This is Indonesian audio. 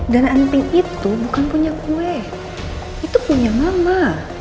dan anting itu bukan punya gue itu punya mama